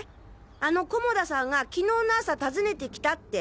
あの菰田さんが昨日の朝訪ねてきたって。